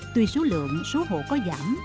tùy số lượng số hộ có giảm